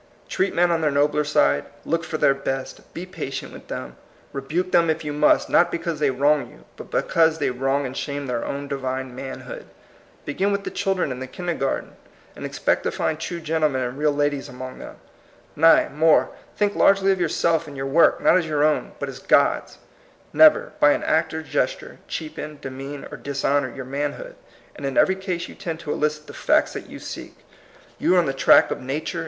Treat men on their nobler side, look for their best, be patient with them, rebuke them if you must, not because they wrong you, but because they wrong and shame their own divine manhood; begin with the children in the kindergarten, and expect to find true gentlemen and real ladies among them; nay, more, think largely of yourself and your work, not as your own, but as God's ; never, by an act or gesture, cheapen, de mean, or dishonor your manhood, — and in every case you tend to elicit the facts that you seek ; you are on the track of nature 148 THE COMING PEOPLE.